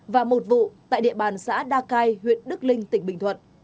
và một vụ tại địa bàn xã đa cai huyện đức linh tỉnh bình thuận